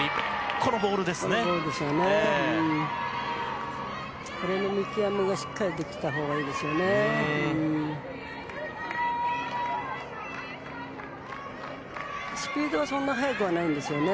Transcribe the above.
これの見極めがしっかりできたほうがいいですよね。